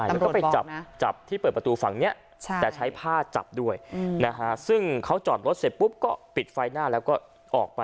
แล้วก็ไปจับที่เปิดประตูฝั่งนี้แต่ใช้ผ้าจับด้วยนะฮะซึ่งเขาจอดรถเสร็จปุ๊บก็ปิดไฟหน้าแล้วก็ออกไป